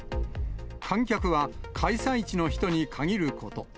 観客は、開催地の人に限ること。